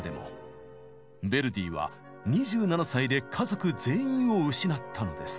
ヴェルディは２７歳で家族全員を失ったのです。